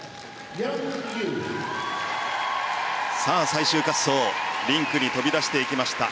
最終滑走リンクに飛び出していきました